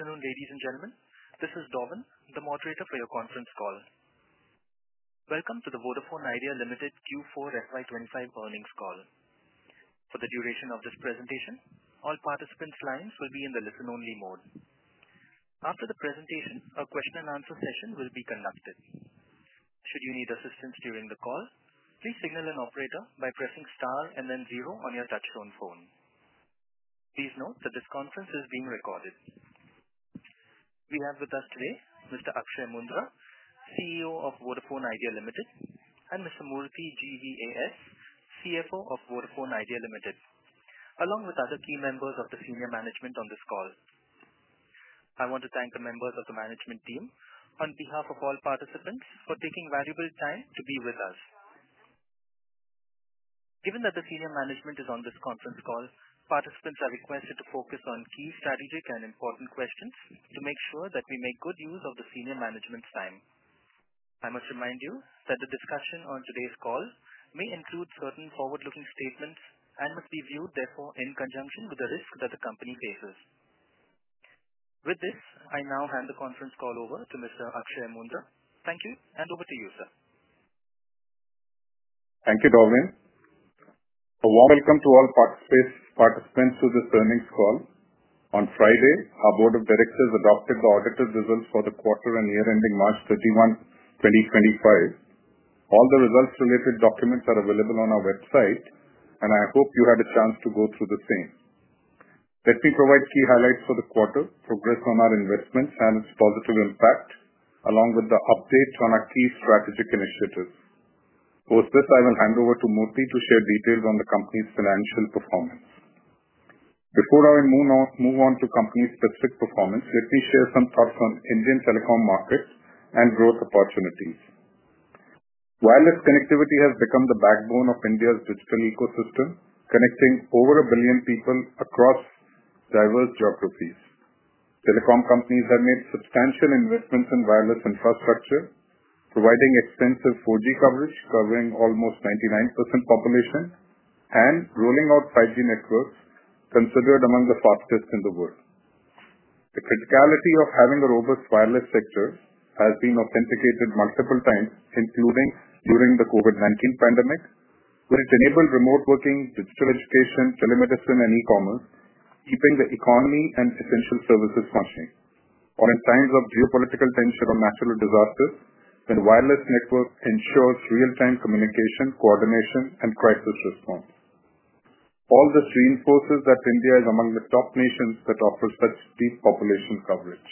Afternoon, ladies and gentlemen. This is Dovan, the moderator for your conference call. Welcome to the Vodafone Idea Limited Q4 FY2025 earnings call. For the duration of this presentation, all participants' lines will be in the listen-only mode. After the presentation, a question-and-answer session will be conducted. Should you need assistance during the call, please signal an operator by pressing star and then zero on your touch-tone phone. Please note that this conference is being recorded. We have with us today Mr. Akshaya Moondra, CEO of Vodafone Idea Limited, and Mr. GVAS Murthy, CFO of Vodafone Idea Limited, along with other key members of the senior management on this call. I want to thank the members of the management team on behalf of all participants for taking valuable time to be with us. Given that the senior management is on this conference call, participants are requested to focus on key strategic and important questions to make sure that we make good use of the senior management's time. I must remind you that the discussion on today's call may include certain forward-looking statements and must be viewed, therefore, in conjunction with the risk that the company faces. With this, I now hand the conference call over to Mr. Akshaya Moondra. Thank you, and over to you, sir. Thank you, Dovan. A warm welcome to all participants to this earnings call. On Friday, our Board of Directors adopted the audited results for the quarter and year ending March 31, 2025. All the results-related documents are available on our website, and I hope you had a chance to go through the same. Let me provide key highlights for the quarter, progress on our investments, and its positive impact, along with the updates on our key strategic initiatives. Post this, I will hand over to Murthy to share details on the company's financial performance. Before I move on to company-specific performance, let me share some thoughts on Indian telecom markets and growth opportunities. Wireless connectivity has become the backbone of India's digital ecosystem, connecting over a billion people across diverse geographies. Telecom companies have made substantial investments in wireless infrastructure, providing extensive 4G coverage covering almost 99% of the population and rolling out 5G networks considered among the fastest in the world. The criticality of having a robust wireless sector has been authenticated multiple times, including during the COVID-19 pandemic, which enabled remote working, digital education, telemedicine, and e-commerce, keeping the economy and essential services functioning. In times of geopolitical tension or natural disasters, the wireless network ensures real-time communication, coordination, and crisis response. All this reinforces that India is among the top nations that offer such deep population coverage.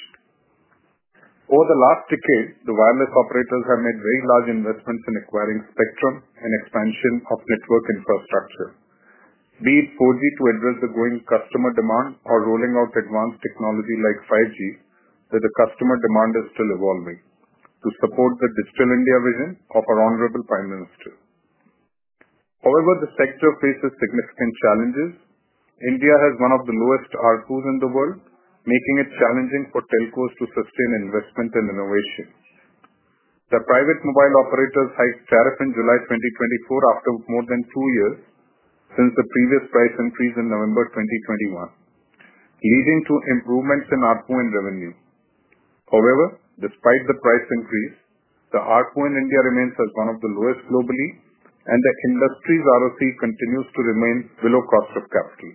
Over the last decade, the wireless operators have made very large investments in acquiring spectrum and expansion of network infrastructure, be it 4G to address the growing customer demand or rolling out advanced technology like 5G, where the customer demand is still evolving, to support the Digital India vision of our honorable Prime Minister. However, the sector faces significant challenges. India has one of the lowest RPUs in the world, making it challenging for telcos to sustain investment and innovation. The private mobile operators hiked tariffs in July 2024 after more than two years since the previous price increase in November 2021, leading to improvements in RPU and revenue. However, despite the price increase, the RPU in India remains one of the lowest globally, and the industry's ROC continues to remain below cost of capital.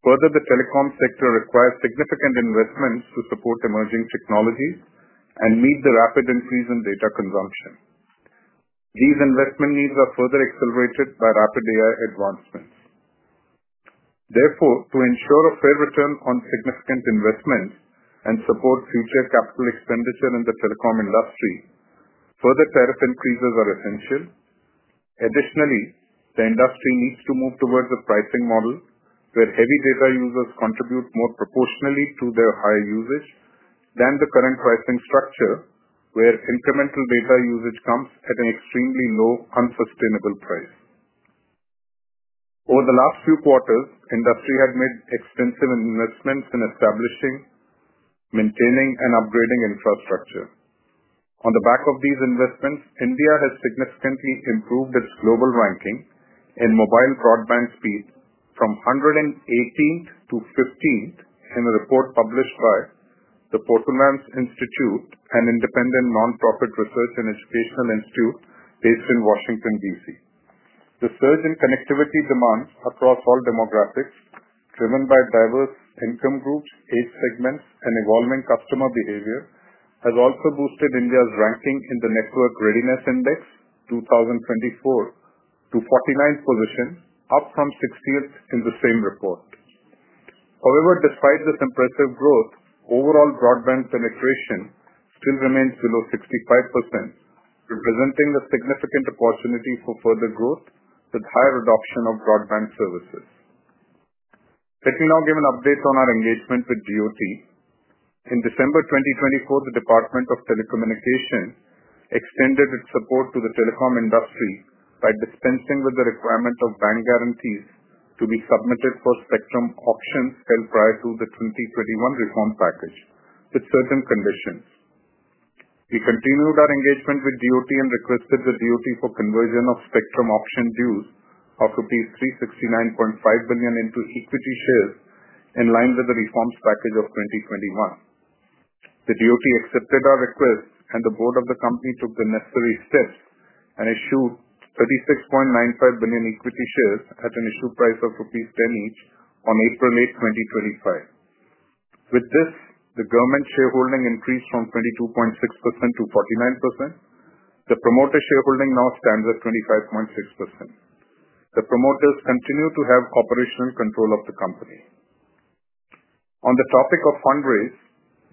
Further, the telecom sector requires significant investments to support emerging technologies and meet the rapid increase in data consumption. These investment needs are further accelerated by rapid AI advancements. Therefore, to ensure a fair return on significant investments and support future capital expenditure in the telecom industry, further tariff increases are essential. Additionally, the industry needs to move towards a pricing model where heavy data users contribute more proportionally to their higher usage than the current pricing structure where incremental data usage comes at an extremely low, unsustainable price. Over the last few quarters, the industry had made extensive investments in establishing, maintaining, and upgrading infrastructure. On the back of these investments, India has significantly improved its global ranking in mobile broadband speed from 118th to 15th in a report published by the Portulans Institute, an independent nonprofit research and educational institute based in Washington, D.C. The surge in connectivity demands across all demographics, driven by diverse income groups, age segments, and evolving customer behavior, has also boosted India's ranking in the Network Readiness Index 2024 to 49th position, up from 60th in the same report. However, despite this impressive growth, overall broadband penetration still remains below 65%, representing a significant opportunity for further growth with higher adoption of broadband services. Let me now give an update on our engagement with DOT. In December 2024, the Department of Telecommunications extended its support to the telecom industry by dispensing with the requirement of bank guarantees to be submitted for spectrum auctions held prior to the 2021 reform package, with certain conditions. We continued our engagement with DOT and requested the DOT for conversion of spectrum auction dues of 369.5 billion into equity shares in line with the reforms package of 2021. The DOT accepted our request, and the board of the company took the necessary steps and issued 36.95 billion equity shares at an issue price of rupees 10 each on April 8, 2025. With this, the government shareholding increased from 22.6%-49%. The promoter shareholding now stands at 25.6%. The promoters continue to have operational control of the company. On the topic of fundraise,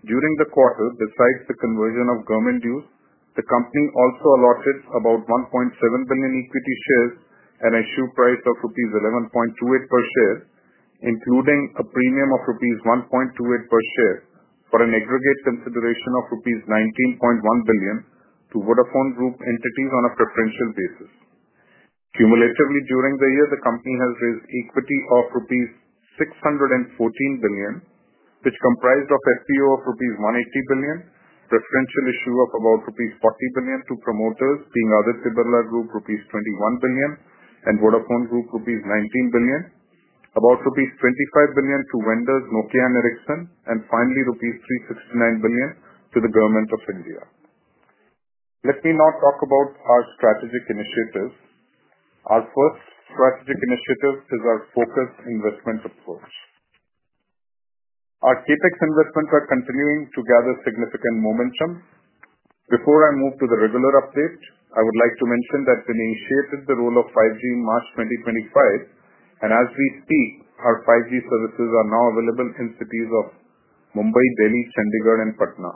during the quarter, besides the conversion of government dues, the company also allotted about 1.7 billion equity shares at an issue price of rupees 11.28 per share, including a premium of rupees 1.28 per share for an aggregate consideration of rupees 19.1 billion to Vodafone Group entities on a preferential basis. Cumulatively, during the year, the company has raised equity of rupees 614 billion, which comprised of FPO of rupees 180 billion, preferential issue of about rupees 40 billion to promoters, being Aditya Birla Group rupees 21 billion, and Vodafone Group rupees 19 billion, about rupees 25 billion to vendors Nokia and Ericsson, and finally rupees 369 billion to the Government of India. Let me now talk about our strategic initiatives. Our first strategic initiative is our focused investment approach. Our CapEx investments are continuing to gather significant momentum. Before I move to the regular update, I would like to mention that we initiated the roll out of 5G in March 2025, and as we speak, our 5G services are now available in cities of Mumbai, Delhi, Chandigarh, and Patna.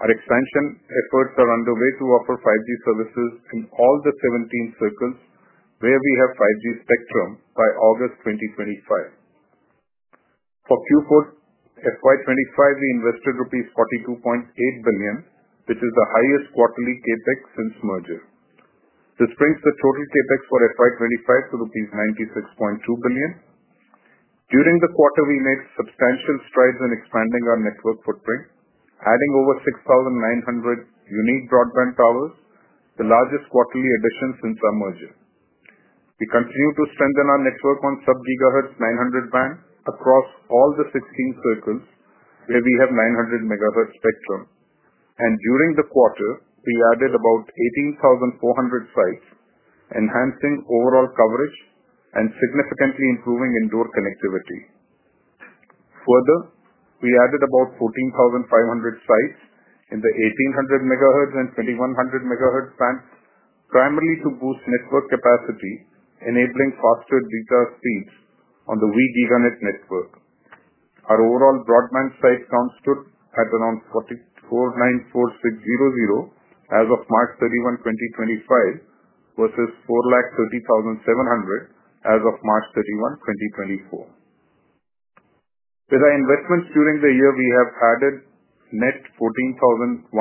Our expansion efforts are underway to offer 5G services in all the 17 circles where we have 5G spectrum by August 2025. For Q4 FY2025, we invested 42.8 billion rupees, which is the highest quarterly CAPEX since merger. This brings the total CAPEX for FY2025 to rupees 96.2 billion. During the quarter, we made substantial strides in expanding our network footprint, adding over 6,900 unique broadband towers, the largest quarterly addition since our merger. We continue to strengthen our network on sub-gigahertz 900 band across all the 16 circles where we have 900 megahertz spectrum. During the quarter, we added about 18,400 sites, enhancing overall coverage and significantly improving indoor connectivity. Further, we added about 14,500 sites in the 1800 megahertz and 2100 megahertz band, primarily to boost network capacity, enabling faster data speeds on the gigahertz network. Our overall broadband site count stood at around 449,600 as of March 31, 2025, versus 430,700 as of March 31, 2024. With our investments during the year, we have added net 14,100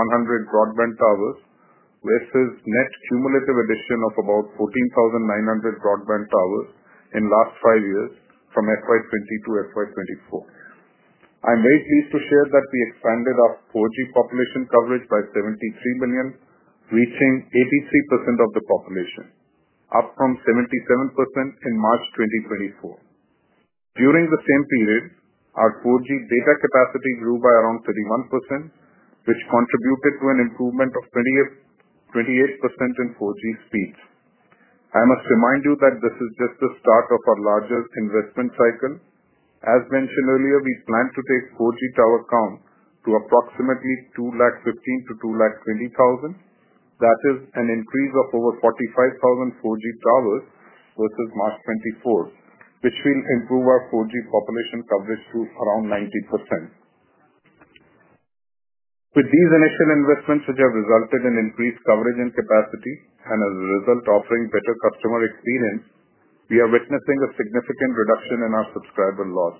broadband towers versus net cumulative addition of about 14,900 broadband towers in the last five years from FY2020 to FY2024. I'm very pleased to share that we expanded our 4G population coverage by 73 million, reaching 83% of the population, up from 77% in March 2024. During the same period, our 4G data capacity grew by around 31%, which contributed to an improvement of 28% in 4G speeds. I must remind you that this is just the start of our larger investment cycle. As mentioned earlier, we plan to take 4G tower count to approximately 215,000-220,000. That is an increase of over 45,000 4G towers versus March 2024, which will improve our 4G population coverage to around 90%. With these initial investments, which have resulted in increased coverage and capacity, and as a result, offering better customer experience, we are witnessing a significant reduction in our subscriber loss.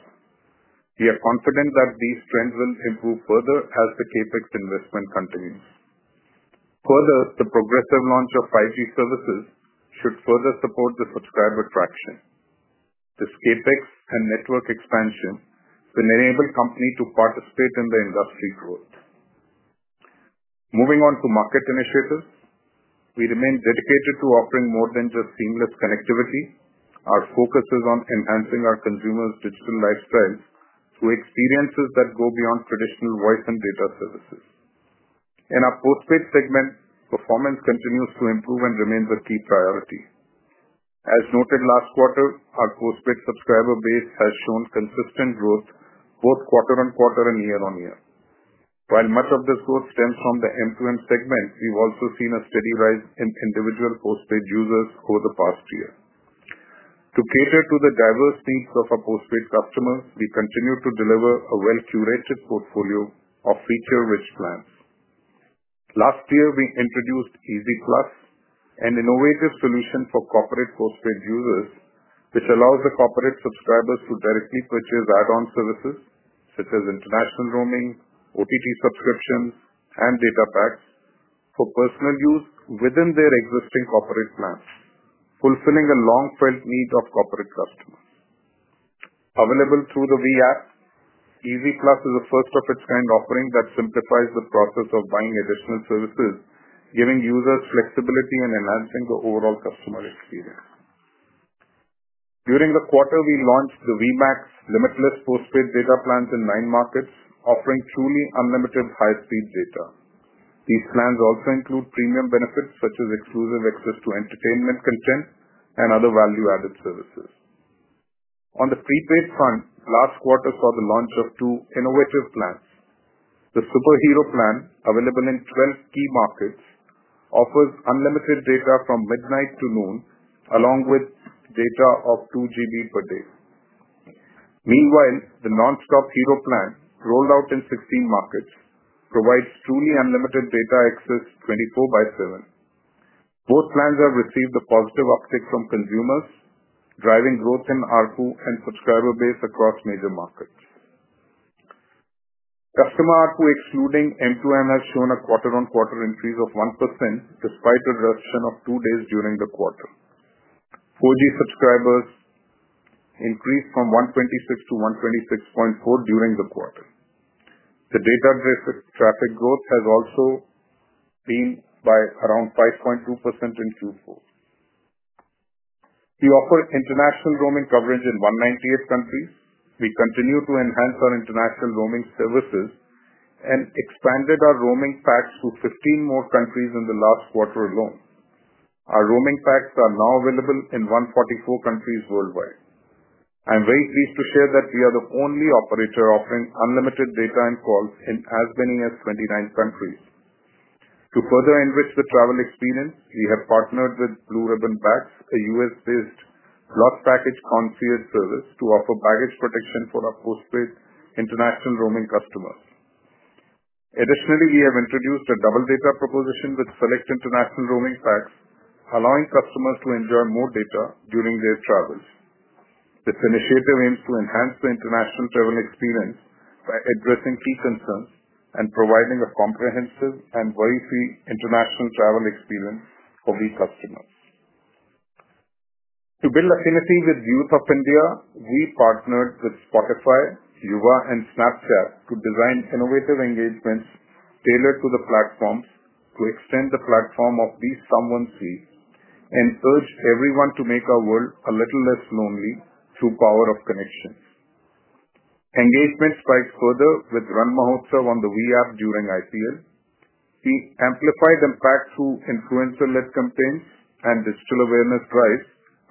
We are confident that these trends will improve further as the CAPEX investment continues. Further, the progressive launch of 5G services should further support the subscriber traction. This CAPEX and network expansion will enable the company to participate in the industry growth. Moving on to market initiatives, we remain dedicated to offering more than just seamless connectivity. Our focus is on enhancing our consumers' digital lifestyles through experiences that go beyond traditional voice and data services. In our postpaid segment, performance continues to improve and remains a key priority. As noted last quarter, our postpaid subscriber base has shown consistent growth both quarter on quarter and year on year. While much of this growth stems from the end-to-end segment, we've also seen a steady rise in individual postpaid users over the past year. To cater to the diverse needs of our postpaid customers, we continue to deliver a well-curated portfolio of feature-rich plans. Last year, we introduced EasyPlus, an innovative solution for corporate postpaid users, which allows the corporate subscribers to directly purchase add-on services such as international roaming, OTT subscriptions, and data packs for personal use within their existing corporate plans, fulfilling a long-felt need of corporate customers. Available through the VAS, EasyPlus is a first-of-its-kind offering that simplifies the process of buying additional services, giving users flexibility and enhancing the overall customer experience. During the quarter, we launched the VMAX Limitless Postpaid Data Plans in nine markets, offering truly unlimited high-speed data. These plans also include premium benefits such as exclusive access to entertainment content and other value-added services. On the prepaid front, last quarter saw the launch of two innovative plans. The SuperHero Plan, available in 12 key markets, offers unlimited data from midnight to noon, along with data of 2 GB per day. Meanwhile, the Nonstop Hero Plan, rolled out in 16 markets, provides truly unlimited data access 24 by 7. Both plans have received a positive uptick from consumers, driving growth in RPU and subscriber base across major markets. Customer RPU excluding M2M has shown a quarter-on-quarter increase of 1% despite a reduction of two days during the quarter. 4G subscribers increased from 126 million to 126.4 million during the quarter. The data traffic growth has also been by around 5.2% in Q4. We offer international roaming coverage in 198 countries. We continue to enhance our international roaming services and expanded our roaming packs to 15 more countries in the last quarter alone. Our roaming packs are now available in 144 countries worldwide. I'm very pleased to share that we are the only operator offering unlimited data and calls in as many as 29 countries. To further enrich the travel experience, we have partnered with Blue Ribbon Bags, a US-based luggage concierge service, to offer baggage protection for our postpaid international roaming customers. Additionally, we have introduced a double data proposition with select international roaming packs, allowing customers to enjoy more data during their travels. This initiative aims to enhance the international travel experience by addressing key concerns and providing a comprehensive and worry-free international travel experience for Vi customers. To build affinity with youth of India, we partnered with Spotify, Yuva, and Snapchat to design innovative engagements tailored to the platforms to extend the platform of these someone's feet and urge everyone to make our world a little less lonely through power of connections. Engagement spiked further with Ranmahotsav on the Vi App during IPL. We amplified impact through influencer-led campaigns and digital awareness drives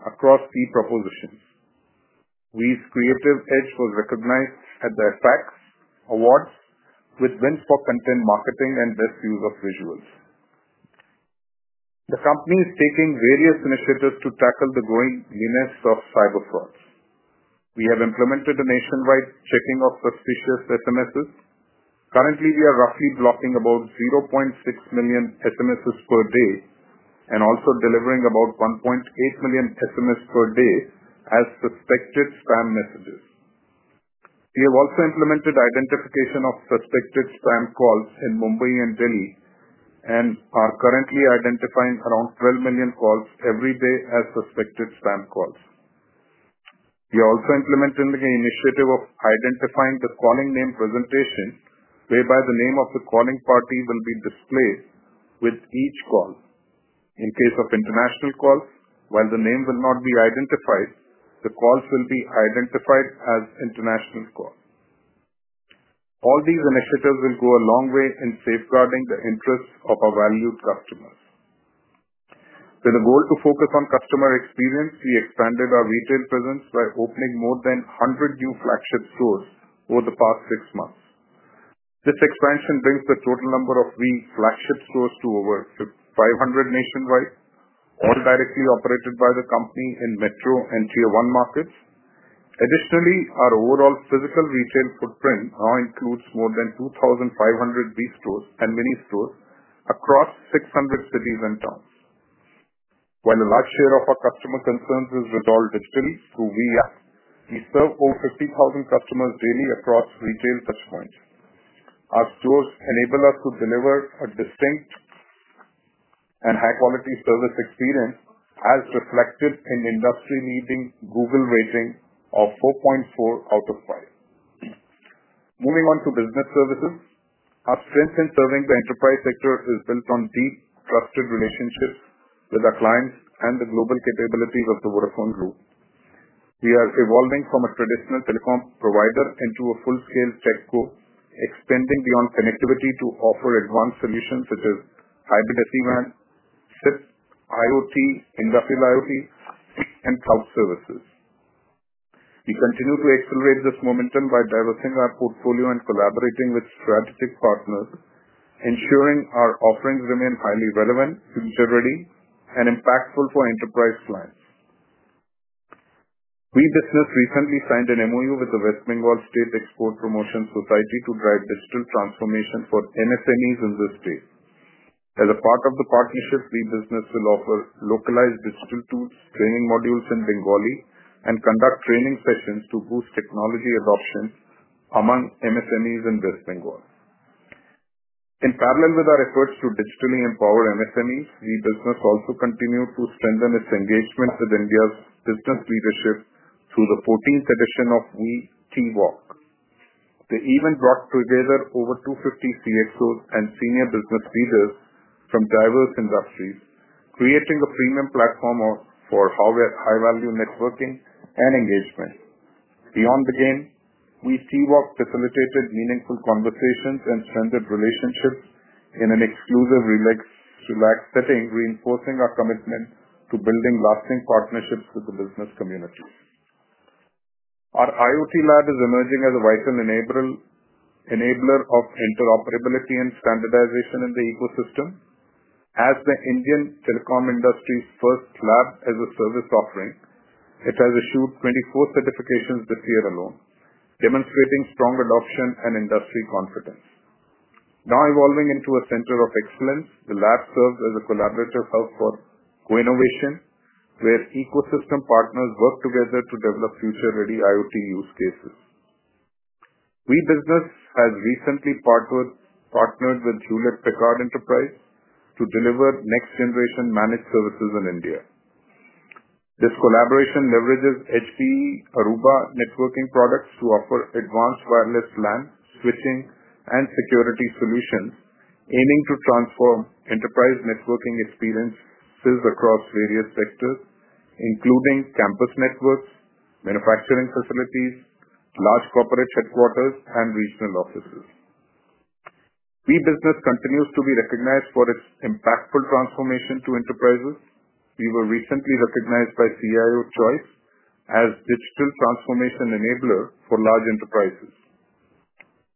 across key propositions. Vi's creative edge was recognized at the FACS Awards with wins for content marketing and best use of visuals. The company is taking various initiatives to tackle the growing illness of cyber frauds. We have implemented a nationwide checking of suspicious SMSs. Currently, we are roughly blocking about 600,000 SMSs per day and also delivering about 1,800,000 SMSs per day as suspected spam messages. We have also implemented identification of suspected spam calls in Mumbai and Delhi and are currently identifying around 12 million calls every day as suspected spam calls. We are also implementing the initiative of identifying the calling name presentation whereby the name of the calling party will be displayed with each call. In case of international calls, while the name will not be identified, the calls will be identified as international calls. All these initiatives will go a long way in safeguarding the interests of our valued customers. With a goal to focus on customer experience, we expanded our retail presence by opening more than 100 new flagship stores over the past six months. This expansion brings the total number of Vi flagship stores to over 500 nationwide, all directly operated by the company in metro and Tier 1 markets. Additionally, our overall physical retail footprint now includes more than 2,500 Vi stores and mini stores across 600 cities and towns. While a large share of our customer concerns is resolved digitally through Vi App, we serve over 50,000 customers daily across retail touchpoints. Our stores enable us to deliver a distinct and high-quality service experience as reflected in industry-leading Google rating of 4.4 out of 5. Moving on to business services, our strength in serving the enterprise sector is built on deep, trusted relationships with our clients and the global capabilities of the Vodafone Group. We are evolving from a traditional telecom provider into a full-scale tech go, extending beyond connectivity to offer advanced solutions such as hybrid SD-WAN, SIP, IoT, industrial IoT, and cloud services. We continue to accelerate this momentum by diversifying our portfolio and collaborating with strategic partners, ensuring our offerings remain highly relevant, future-ready, and impactful for enterprise clients. Vi Business recently signed an MOU with the West Bengal State Export Promotion Society to drive digital transformation for MSMEs in the state. As a part of the partnership, Vi Business will offer localized digital tools, training modules in Bengali, and conduct training sessions to boost technology adoption among MSMEs in West Bengal. In parallel with our efforts to digitally empower MSMEs, Vi Business also continued to strengthen its engagement with India's business leadership through the 14th edition of Vi T Walk. They even brought together over 250 CXOs and senior business leaders from diverse industries, creating a premium platform for high-value networking and engagement. Beyond the game, V T Walk facilitated meaningful conversations and strengthened relationships in an exclusive relaxed setting, reinforcing our commitment to building lasting partnerships with the business community. Our IoT lab is emerging as a vital enabler of interoperability and standardization in the ecosystem. As the Indian telecom industry's first lab as a service offering, it has issued 24 certifications this year alone, demonstrating strong adoption and industry confidence. Now evolving into a center of excellence, the lab serves as a collaborative hub for co-innovation, where ecosystem partners work together to develop future-ready IoT use cases. V Business has recently partnered with Hewlett Packard Enterprise to deliver next-generation managed services in India. This collaboration leverages HPE Aruba networking products to offer advanced wireless LAN switching and security solutions, aiming to transform enterprise networking experiences across various sectors, including campus networks, manufacturing facilities, large corporate headquarters, and regional offices. V Business continues to be recognized for its impactful transformation to enterprises. We were recently recognized by CIO Choice as a digital transformation enabler for large enterprises.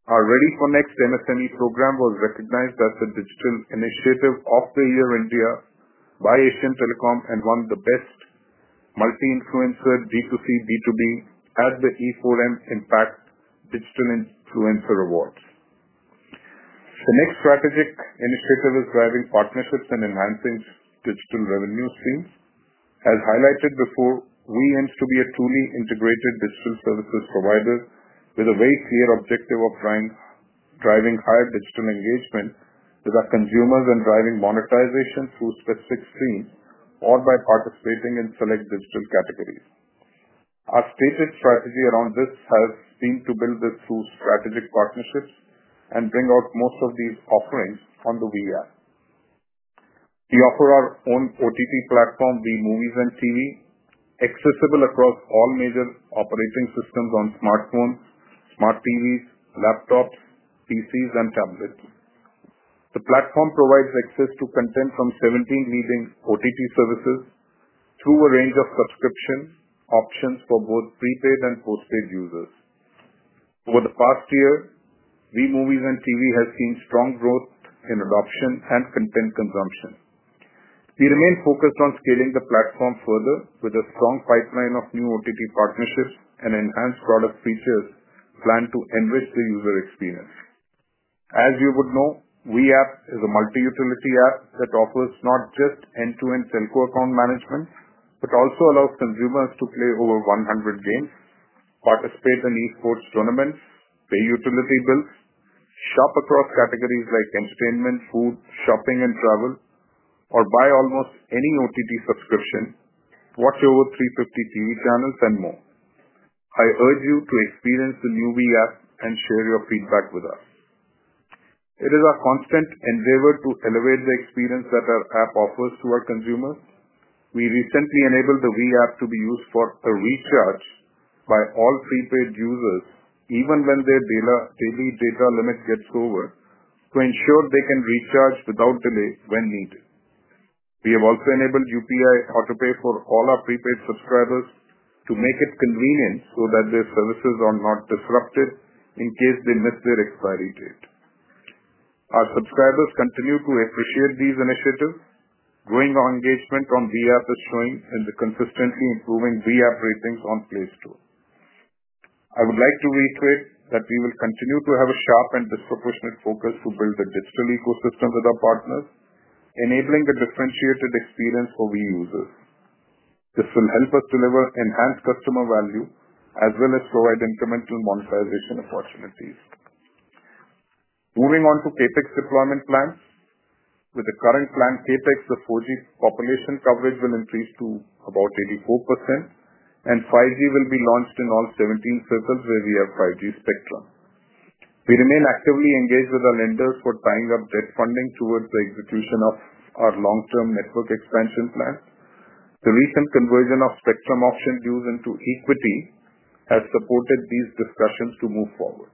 Our Ready for Next MSME program was recognized as the digital initiative of the year in India by Asian Telecom and won the best multi-influencer D2C, B2B at the E4M Impact Digital Influencer Awards. The next strategic initiative is driving partnerships and enhancing digital revenue streams. As highlighted before, V aims to be a truly integrated digital services provider with a very clear objective of driving higher digital engagement with our consumers and driving monetization through specific streams or by participating in select digital categories. Our stated strategy around this has been to build this through strategic partnerships and bring out most of these offerings on the V App. We offer our own OTT platform, V Movies & TV, accessible across all major operating systems on smartphones, smart TVs, laptops, PCs, and tablets. The platform provides access to content from 17 leading OTT services through a range of subscription options for both prepaid and postpaid users. Over the past year, V Movies & TV has seen strong growth in adoption and content consumption. We remain focused on scaling the platform further with a strong pipeline of new OTT partnerships and enhanced product features planned to enrich the user experience. As you would know, V App is a multi-utility app that offers not just end-to-end telco account management but also allows consumers to play over 100 games, participate in eSports tournaments, pay utility bills, shop across categories like entertainment, food, shopping, and travel, or buy almost any OTT subscription, watch over 350 TV channels, and more. I urge you to experience the new V App and share your feedback with us. It is our constant endeavor to elevate the experience that our app offers to our consumers. We recently enabled the V App to be used for a recharge by all prepaid users, even when their daily data limit gets over, to ensure they can recharge without delay when needed. We have also enabled UPI Autopay for all our prepaid subscribers to make it convenient so that their services are not disrupted in case they miss their expiry date. Our subscribers continue to appreciate these initiatives. Growing engagement on V App is showing in the consistently improving V App ratings on Play Store. I would like to reiterate that we will continue to have a sharp and disproportionate focus to build a digital ecosystem with our partners, enabling a differentiated experience for V users. This will help us deliver enhanced customer value as well as provide incremental monetization opportunities. Moving on to CapEx deployment plans. With the current plan, CapEx, the 4G population coverage will increase to about 84%, and 5G will be launched in all 17 circles where we have 5G spectrum. We remain actively engaged with our lenders for tying up debt funding towards the execution of our long-term network expansion plan. The recent conversion of spectrum option used into equity has supported these discussions to move forward.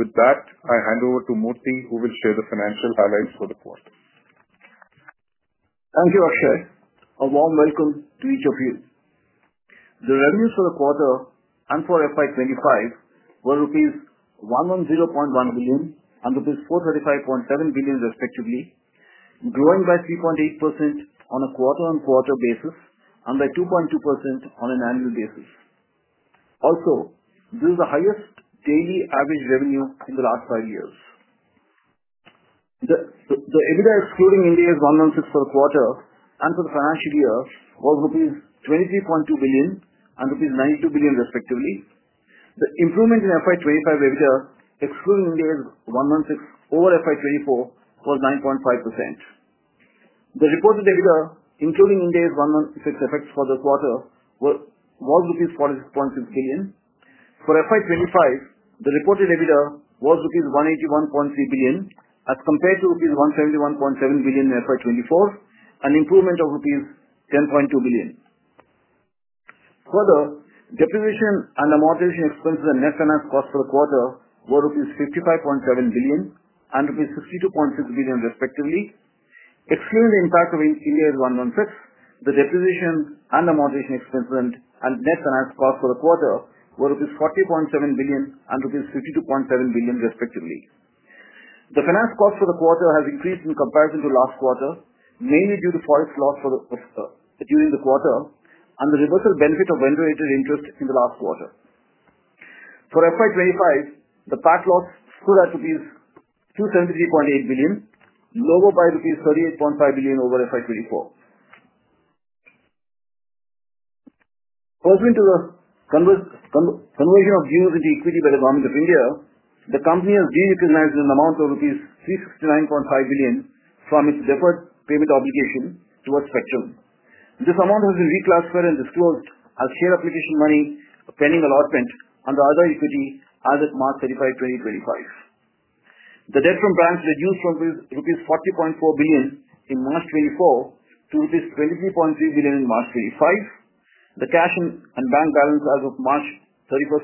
With that, I hand over to Moorthy, who will share the financial highlights for the quarter. Thank you, Akshaya. A warm welcome to each of you. The revenues for the quarter and for FY2025 were rupees 110.1 billion and rupees 435.7 billion, respectively, growing by 3.8% on a quarter-on-quarter basis and by 2.2% on an annual basis. Also, this is the highest daily average revenue in the last five years. The EBITDA excluding India is 11.6 billion for the quarter and for the financial year was rupees 23.2 billion and rupees 92 billion, respectively. The improvement in FY 2025 EBITDA excluding India is 11.6 billion over FY 2024 was 9.5%. The reported EBITDA including India is 11.6 billion for the quarter was rupees 46.6 billion. For FY 2025, the reported EBITDA was rupees 181.3 billion as compared to rupees 171.7 billion in FY 2024, an improvement of INR 10.2 billion. Further, depreciation and amortization expenses and net finance costs for the quarter were rupees 55.7 billion and rupees 62.6 billion, respectively. Excluding the impact of India, the depreciation and amortization expenses and net finance costs for the quarter were rupees 40.7 billion and rupees 52.7 billion, respectively. The finance costs for the quarter have increased in comparison to last quarter, mainly due to forex loss during the quarter and the reversal benefit of interest in the last quarter. For FY2025, the PAC loss stood at rupees 273.8 billion, lower by rupees 38.5 billion over FY2024. Conversion of dues into equity by the Government of India, the company has re-recognized an amount of rupees 369.5 billion from its deferred payment obligation towards spectrum. This amount has been reclassified and disclosed as share application money pending allotment under other equity as of March 31, 2025. The debt from banks reduced from 40.4 billion rupees in March 2024 to 23.3 billion rupees in March 2025. The cash and bank balance as of March 31,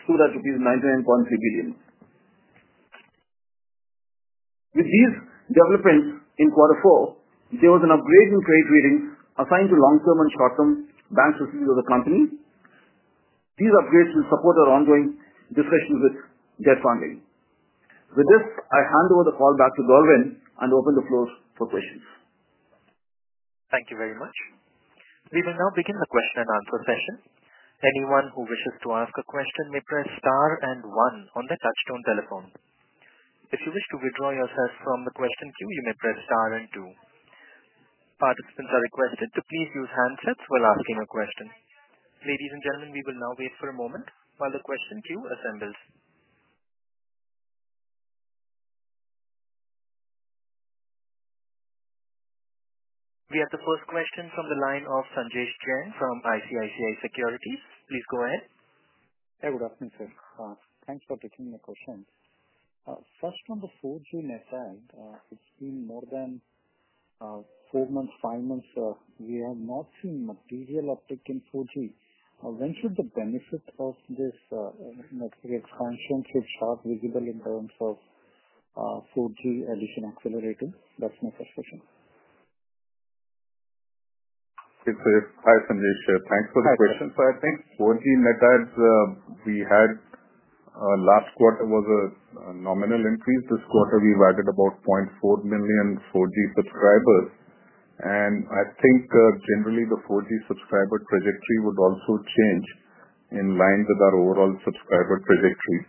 2025, stood at 99.3 billion. With these developments in quarter four, there was an upgrade in trade ratings assigned to long-term and short-term bank subsidies of the company. These upgrades will support our ongoing discussions with debt funding. With this, I hand over the call back to Dovin and open the floor for questions. Thank you very much. We will now begin the question and answer session. Anyone who wishes to ask a question may press star and one on the touchstone telephone. If you wish to withdraw yourself from the question queue, you may press star and two. Participants are requested to please use handsets while asking a question. Ladies and gentlemen, we will now wait for a moment while the question queue assembles. We have the first question from the line of Sanjesh Jain from ICICI Securities. Please go ahead. Yeah, good afternoon, sir. Thanks for taking my question. First, on the 4G net side, it's been more than four months, five months we have not seen material uptick in 4G. When should the benefit of this expansion should start visible in terms of 4G addition accelerating? That's my first question. It's hi Sanjesh Jain. Thanks for the question. I think 4G net adds we had last quarter was a nominal increase. This quarter we've added about 0.4 million 4G subscribers. I think generally the 4G subscriber trajectory would also change in line with our overall subscriber trajectory.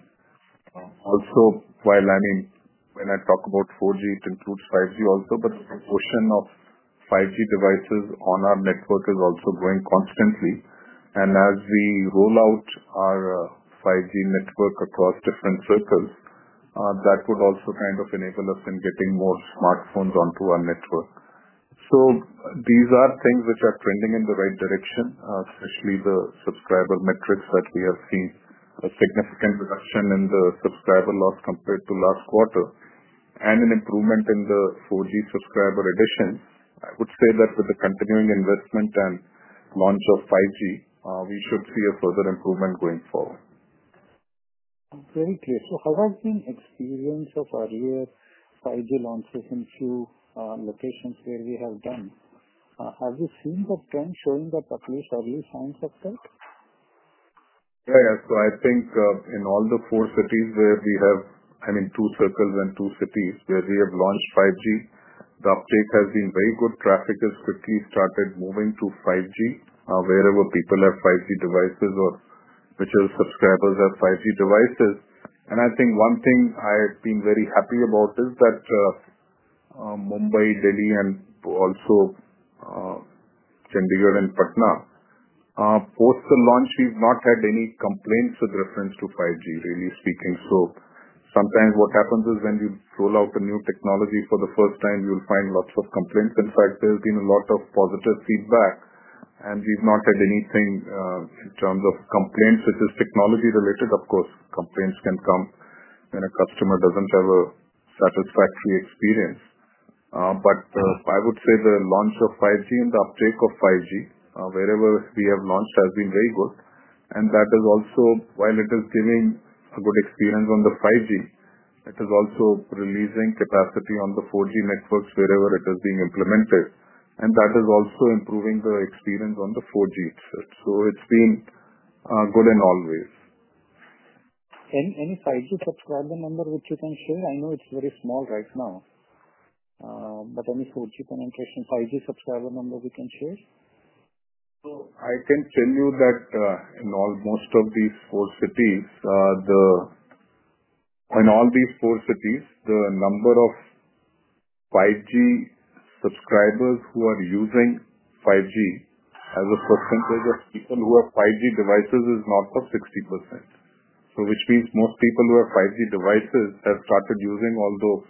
Also, while I mean, when I talk about 4G, it includes 5G also, but the proportion of 5G devices on our network is also growing constantly. As we roll out our 5G network across different circles, that would also kind of enable us in getting more smartphones onto our network. These are things which are trending in the right direction, especially the subscriber metrics that we have seen a significant reduction in the subscriber loss compared to last quarter and an improvement in the 4G subscriber addition. I would say that with the continuing investment and launch of 5G, we should see a further improvement going forward. Very clear. How has been the experience of earlier 5G launches in a few locations where we have done? Have you seen the trend showing that at least early signs of that? Yeah, yeah. I think in all the four cities where we have, I mean, two circles and two cities where we have launched 5G, the uptake has been very good. Traffic has quickly started moving to 5G wherever people have 5G devices or whichever subscribers have 5G devices. I think one thing I've been very happy about is that Mumbai, Delhi, and also Chandigarh and Patna, post the launch, we've not had any complaints with reference to 5G, really speaking. Sometimes what happens is when you roll out a new technology for the first time, you'll find lots of complaints. In fact, there's been a lot of positive feedback, and we've not had anything in terms of complaints, which is technology related. Of course, complaints can come when a customer doesn't have a satisfactory experience. I would say the launch of 5G and the uptake of 5G wherever we have launched has been very good. That is also, while it is giving a good experience on the 5G, it is also releasing capacity on the 4G networks wherever it is being implemented. That is also improving the experience on the 4G itself. It's been good in all ways. Any 5G subscriber number which you can share? I know it's very small right now. Any 4G penetration, 5G subscriber number we can share? I can tell you that in almost all these four cities, in all these four cities, the number of 5G subscribers who are using 5G as a percentage of people who have 5G devices is north of 60%. Which means most people who have 5G devices have started using, although,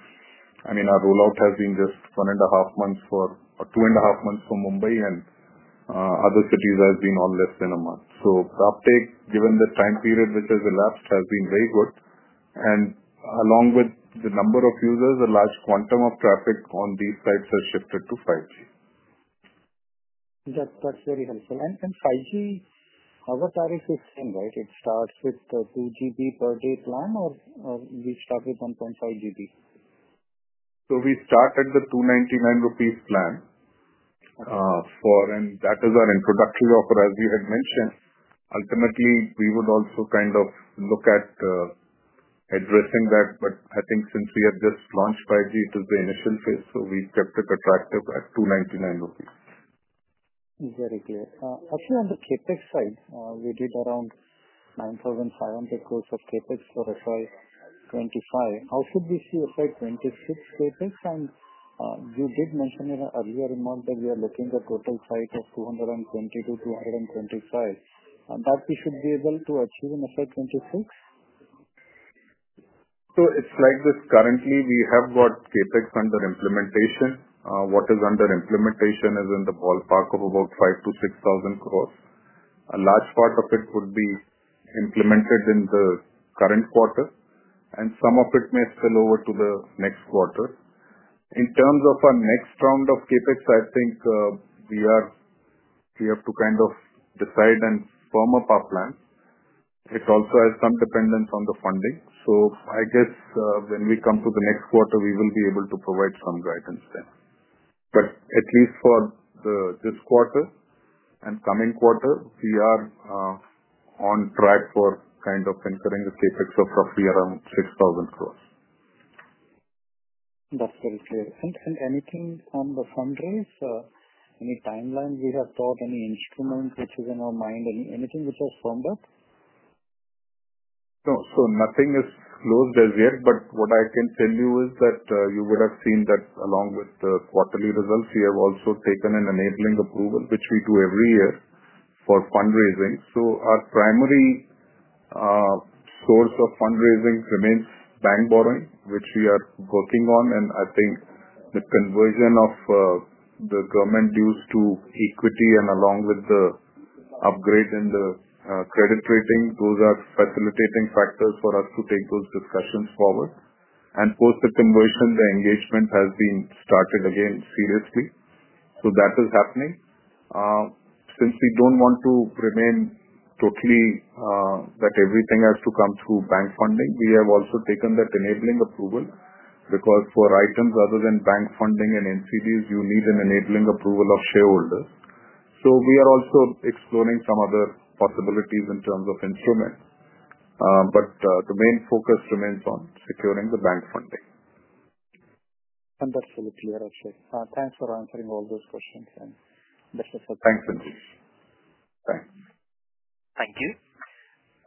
I mean, our rollout has been just one and a half months for or two and a half months for Mumbai, and other cities have been all less than a month. The uptake, given the time period which has elapsed, has been very good. Along with the number of users, a large quantum of traffic on these sites has shifted to 5G. That's very helpful. 5G, our tariff is the same, right? It starts with the 2 GB per day plan, or we start with 1.5 GB? We start at the 299 rupees plan, and that is our introductory offer, as we had mentioned. Ultimately, we would also kind of look at addressing that, but I think since we have just launched 5G, it is the initial phase, so we kept it attractive at 299 rupees. Very clear. Actually, on the CapEx side, we did around 9,500 crores of CapEx for FY 2025. How should we see FY 2026 CapEx? You did mention earlier in March that we are looking at a total site of 220-225. That we should be able to achieve in FY 2026? It is like this currently, we have got CapEx under implementation. What is under implementation is in the ballpark of about 5,000-6,000 crores. A large part of it would be implemented in the current quarter, and some of it may spill over to the next quarter. In terms of our next round of CAPEX, I think we have to kind of decide and firm up our plan. It also has some dependence on the funding. I guess when we come to the next quarter, we will be able to provide some guidance there. At least for this quarter and coming quarter, we are on track for kind of incurring a CAPEX of roughly around 6,000 crore. That is very clear. Anything on the fundraise, any timeline we have thought, any instrument which is in our mind, anything which has firmed up? No. Nothing is closed as yet, but what I can tell you is that you would have seen that along with the quarterly results, we have also taken an enabling approval, which we do every year for fundraising. Our primary source of fundraising remains bank borrowing, which we are working on. I think the conversion of the government dues to equity and along with the upgrade in the credit rating, those are facilitating factors for us to take those discussions forward. Post the conversion, the engagement has been started again seriously. That is happening. Since we do not want to remain totally that everything has to come through bank funding, we have also taken that enabling approval because for items other than bank funding and NCDs, you need an enabling approval of shareholders. We are also exploring some other possibilities in terms of instruments. The main focus remains on securing the bank funding. That is very clear, Akshaya. Thanks for answering all those questions, and best of luck. Thanks, Sanjesh. Thanks. Thank you.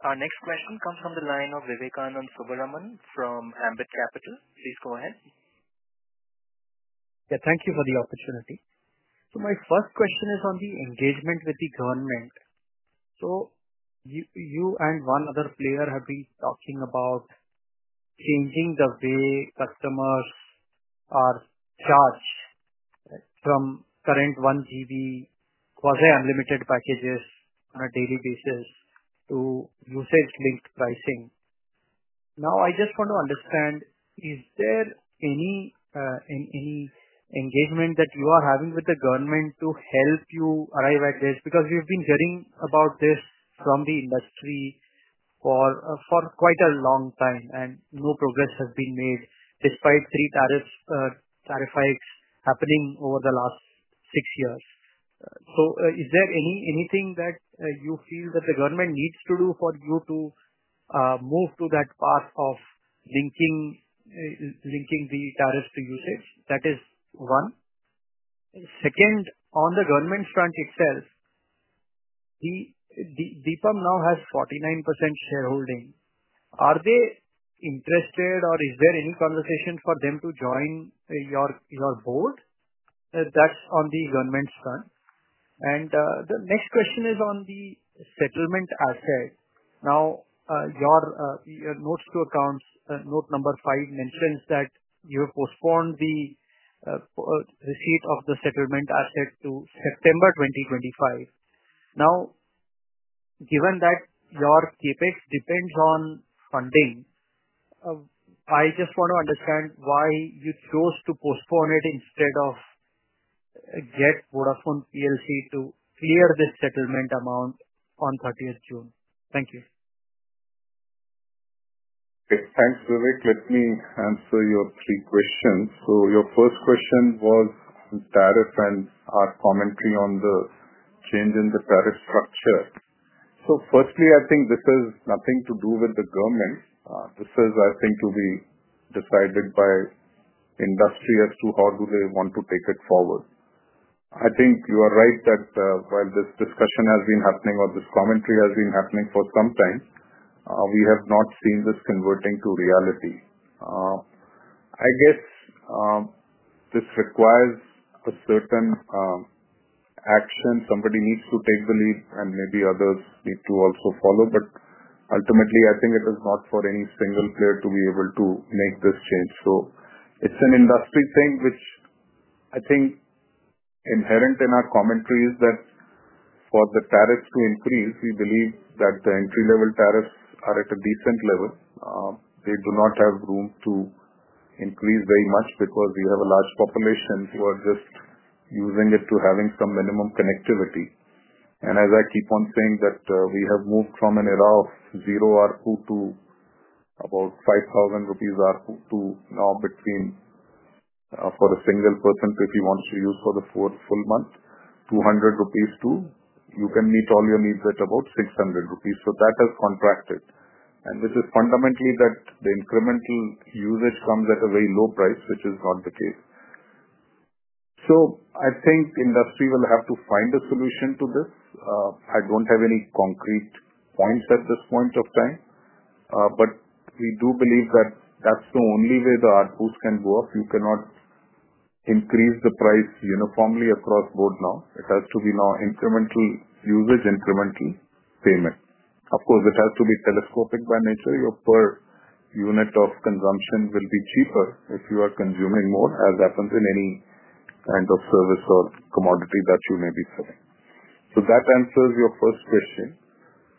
Our next question comes from the line of Vivekanand Subramaniam from Ambit Capital. Please go ahead. Yeah, thank you for the opportunity. My first question is on the engagement with the government. You and one other player have been talking about changing the way customers are charged from current 1 GB quasi-unlimited packages on a daily basis to usage-linked pricing. Now, I just want to understand, is there any engagement that you are having with the government to help you arrive at this? We have been hearing about this from the industry for quite a long time, and no progress has been made despite three tariff hikes happening over the last six years. Is there anything that you feel that the government needs to do for you to move to that path of linking the tariffs to usage? That is one. Second, on the government front itself, Deepam now has 49% shareholding. Are they interested, or is there any conversation for them to join your board? That is on the government front. The next question is on the settlement asset. Now, your notes to accounts, note number five mentions that you have postponed the receipt of the settlement asset to September 2025. Now, given that your CAPEX depends on funding, I just want to understand why you chose to postpone it instead of get Vodafone Group to clear the settlement amount on 30 June. Thank you. Okay. Thanks, Vivek. Let me answer your three questions. Your first question was on tariff and our commentary on the change in the tariff structure. Firstly, I think this has nothing to do with the government. This is, I think, to be decided by industry as to how do they want to take it forward. I think you are right that while this discussion has been happening or this commentary has been happening for some time, we have not seen this converting to reality. I guess this requires a certain action. Somebody needs to take the lead, and maybe others need to also follow. Ultimately, I think it is not for any single player to be able to make this change. It is an industry thing, which I think inherent in our commentary is that for the tariffs to increase, we believe that the entry-level tariffs are at a decent level. They do not have room to increase very much because we have a large population who are just using it to having some minimum connectivity. As I keep on saying, we have moved from an era of zero ARPU to about 5,000 rupees ARPU to now between, for a single person if he wants to use for the full month, 200 rupees to you can meet all your needs at about 600 rupees. That has contracted. This is fundamentally that the incremental usage comes at a very low price, which is not the case. I think industry will have to find a solution to this. I do not have any concrete points at this point of time. We do believe that is the only way the ARPUs can go up. You cannot increase the price uniformly across board now. It has to be now incremental usage, incremental payment. Of course, it has to be telescopic by nature. Your per unit of consumption will be cheaper if you are consuming more, as happens in any kind of service or commodity that you may be selling. That answers your first question.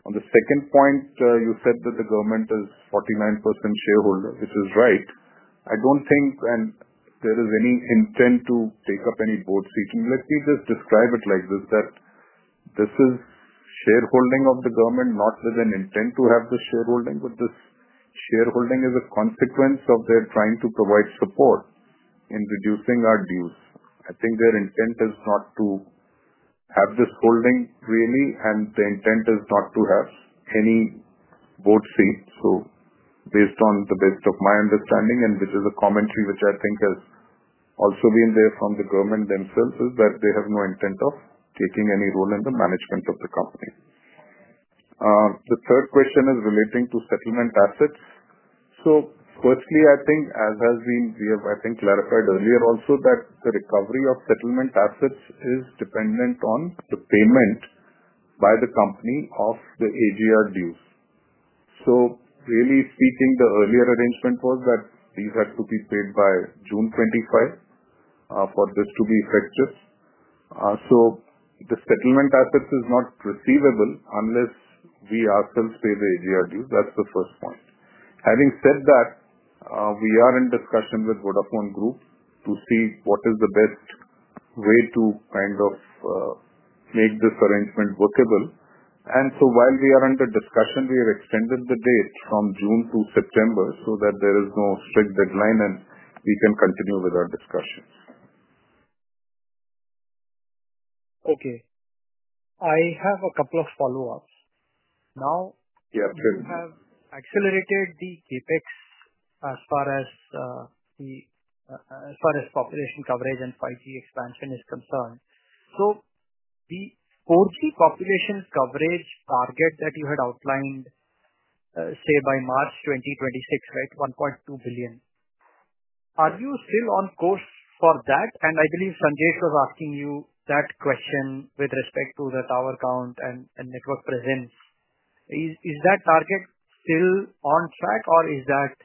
On the second point, you said that the government is 49% shareholder, which is right. I do not think there is any intent to take up any board seating. Let me just describe it like this: that this is shareholding of the government, not with an intent to have the shareholding, but this shareholding is a consequence of their trying to provide support in reducing our dues. I think their intent is not to have this holding, really, and the intent is not to have any board seat. Based on the best of my understanding, and which is a commentary which I think has also been there from the government themselves, is that they have no intent of taking any role in the management of the company. The third question is relating to settlement assets. Firstly, I think, as has been clarified earlier also, the recovery of settlement assets is dependent on the payment by the company of the AGR dues. Really speaking, the earlier arrangement was that these had to be paid by June 2025 for this to be effective. The settlement assets is not receivable unless we ourselves pay the AGR dues. That is the first point. Having said that, we are in discussion with Vodafone Group to see what is the best way to kind of make this arrangement workable. While we are under discussion, we have extended the date from June to September so that there is no strict deadline and we can continue with our discussions. Okay. I have a couple of follow-ups. You have accelerated the CapEx as far as population coverage and 5G expansion is concerned. The 4G population coverage target that you had outlined, say, by March 2026, right, 1.2 billion. Are you still on course for that? I believe Sanjesh was asking you that question with respect to the tower count and network presence. Is that target still on track, or is that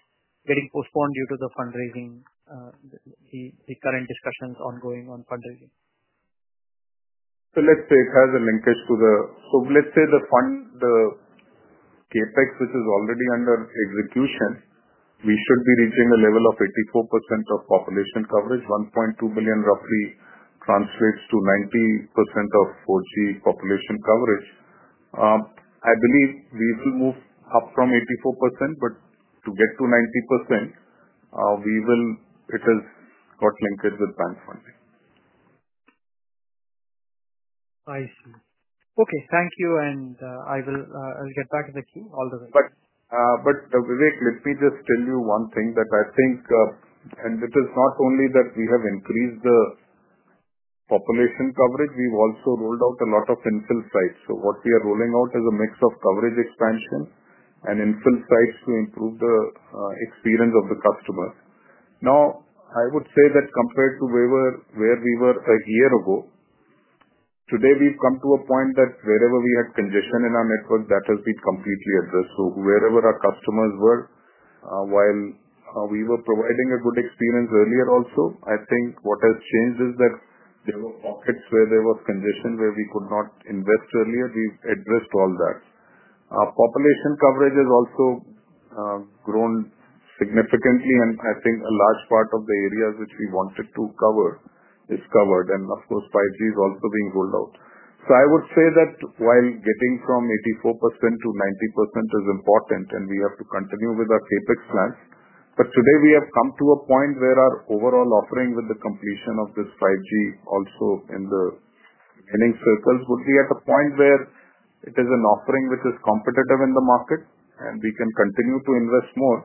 getting postponed due to the fundraising, the current discussions ongoing on fundraising? Let's say it has a linkage to the CapEx, which is already under execution, we should be reaching a level of 84% of population coverage. 1.2 billion roughly translates to 90% of 4G population coverage. I believe we will move up from 84%, but to get to 90%, it has got linkage with bank funding. I see. Okay. Thank you. I'll get back to you all the way. Vivek, let me just tell you one thing that I think, and it is not only that we have increased the population coverage, we've also rolled out a lot of infill sites. What we are rolling out is a mix of coverage expansion and infill sites to improve the experience of the customers. Now, I would say that compared to where we were a year ago, today we've come to a point that wherever we had congestion in our network, that has been completely addressed. Wherever our customers were, while we were providing a good experience earlier also, I think what has changed is that there were pockets where there was congestion where we could not invest earlier. We have addressed all that. Our population coverage has also grown significantly, and I think a large part of the areas which we wanted to cover is covered. Of course, 5G is also being rolled out. I would say that while getting from 84%-90% is important, and we have to continue with our CAPEX plans, today we have come to a point where our overall offering with the completion of this 5G also in the winning circles would be at a point where it is an offering which is competitive in the market, and we can continue to invest more.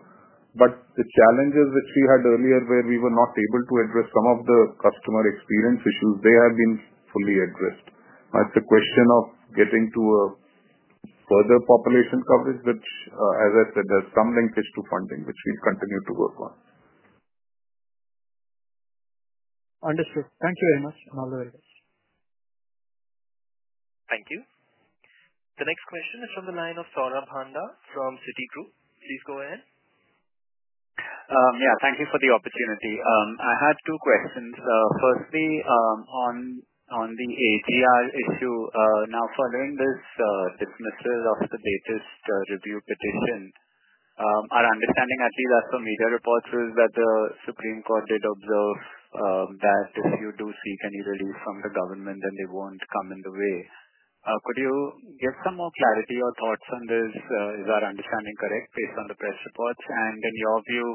The challenges which we had earlier where we were not able to address some of the customer experience issues, they have been fully addressed. Now, it's a question of getting to a further population coverage, which, as I said, there's some linkage to funding, which we'll continue to work on. Understood. Thank you very much, Moondra. Thank you. The next question is from the line of Saurabh Handa from Citigroup. Please go ahead. Yeah. Thank you for the opportunity. I had two questions. Firstly, on the AGR issue, now following this dismissal of the latest review petition, our understanding, at least as per media reports, is that the Supreme Court did observe that if you do seek any relief from the government, then they won't come in the way. Could you give some more clarity or thoughts on this? Is our understanding correct based on the press reports? In your view,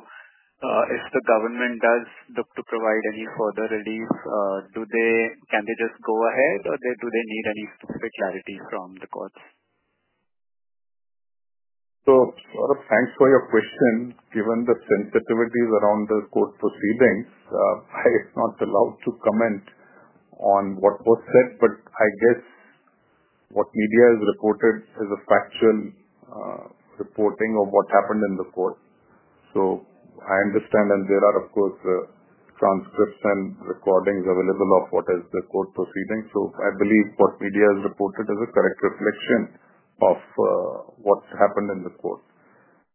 if the government does look to provide any further relief, can they just go ahead, or do they need any specific clarity from the courts? Saurabh, thanks for your question. Given the sensitivities around the court proceedings, I am not allowed to comment on what was said, but I guess what media has reported is a factual reporting of what happened in the court. I understand, and there are, of course, transcripts and recordings available of what is the court proceeding. I believe what media has reported is a correct reflection of what happened in the court.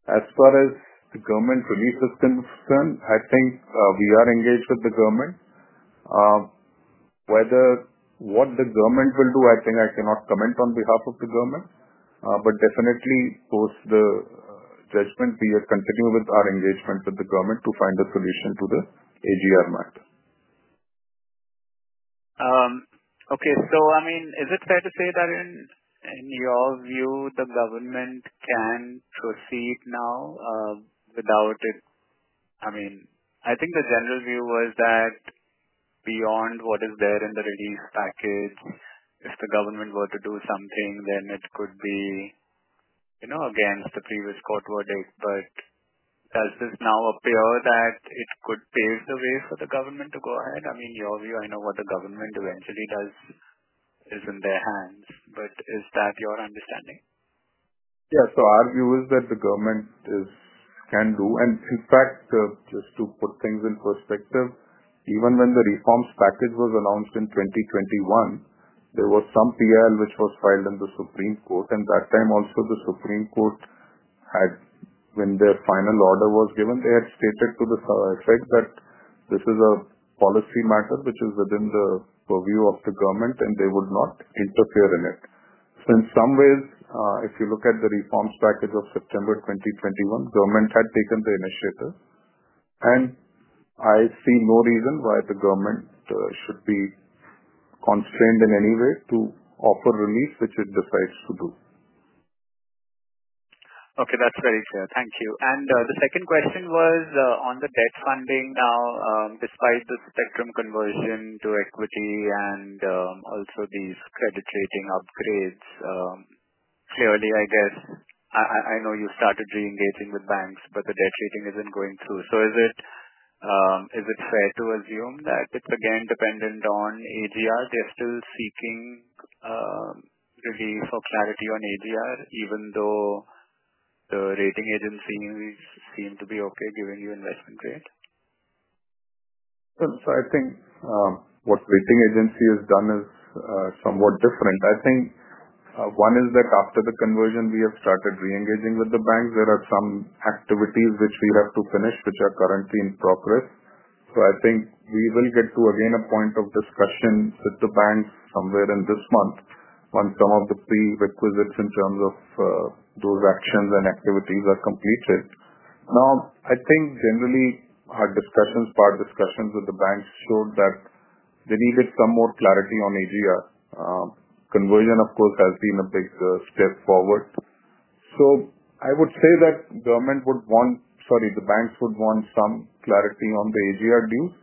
As far as the government release is concerned, I think we are engaged with the government. Whether what the government will do, I think I cannot comment on behalf of the government, but definitely post the judgment, we will continue with our engagement with the government to find a solution to the AGR matter. Okay. I mean, is it fair to say that in your view, the government can proceed now without it? I think the general view was that beyond what is there in the release package, if the government were to do something, then it could be against the previous court verdict. Does this now appear that it could pave the way for the government to go ahead? I mean, in your view, I know what the government eventually does is in their hands, but is that your understanding? Yeah. Our view is that the government can do. In fact, just to put things in perspective, even when the reforms package was announced in 2021, there was some PIL which was filed in the Supreme Court. At that time also, the Supreme Court had, when their final order was given, stated to the effect that this is a policy matter which is within the purview of the government, and they would not interfere in it. In some ways, if you look at the reforms package of September 2021, the government had taken the initiative, and I see no reason why the government should be constrained in any way to offer relief, which it decides to do. Okay. That's very fair. Thank you. The second question was on the debt funding now, despite the spectrum conversion to equity and also these credit rating upgrades, clearly, I guess I know you started re-engaging with banks, but the debt rating isn't going through. Is it fair to assume that it's again dependent on AGR? They're still seeking relief or clarity on AGR, even though the rating agencies seem to be okay giving you investment grade? I think what rating agency has done is somewhat different. I think one is that after the conversion, we have started re-engaging with the banks. There are some activities which we have to finish, which are currently in progress. I think we will get to, again, a point of discussion with the banks somewhere in this month on some of the prerequisites in terms of those actions and activities are completed. Now, I think generally, our discussions with the banks showed that they needed some more clarity on AGR. Conversion, of course, has been a big step forward. I would say that the banks would want some clarity on the AGR dues.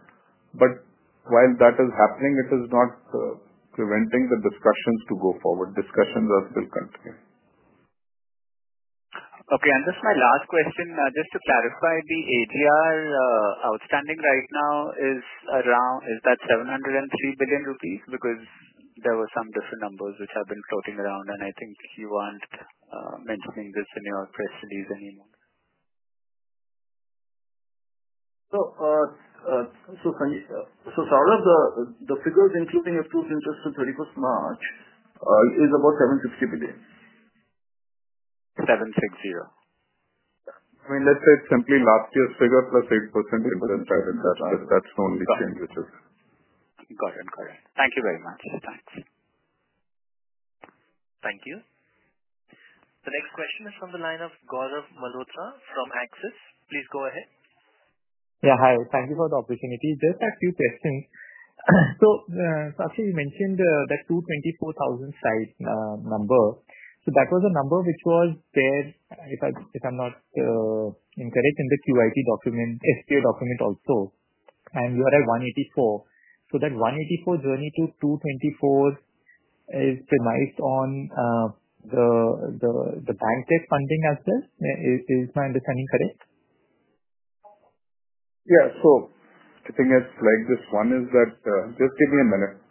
While that is happening, it is not preventing the discussions to go forward. Discussions are still continuing. Okay. Just my last question, just to clarify, the AGR outstanding right now, is that 703 billion rupees? Because there were some different numbers which have been floating around, and I think you are not mentioning this in your press release anymore. Saurabh, the figures including interest on 31st March is about 760 billion. 760. I mean, let's say it is simply last year's figure +8% interest. That is the only change which is. Got it. Got it. Thank you very much. Thanks. Thank you. The next question is from the line of Gaurav Malhotra from Axis. Please go ahead. Yeah. Hi. Thank you for the opportunity. Just a few questions. So actually, you mentioned that 224,000 site number. So that was a number which was there, if I'm not incorrect, in the QIT document, SPA document also. And you are at 184. So that 184 journey to 224 is premised on the bank debt funding as well? Is my understanding correct? Yeah. The thing is, like this one is that just give me a minute.